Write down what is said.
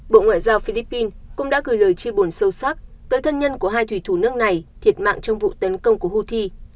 bộ ngoại giao philippines cũng đã gửi lời chia buồn sâu sắc tới thân nhân của hai thủy thủ nước này thiệt mạng trong vụ tấn công của houthi